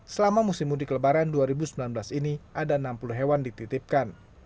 selama musim mudik lebaran dua ribu sembilan belas ini ada enam puluh hewan dititipkan